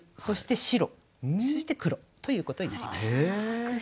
そして黒ということになります。